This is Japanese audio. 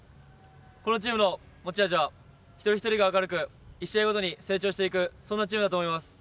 このチームの持ち味は一人一人が明るく１試合ごとに成長していくそんなチームだと思います。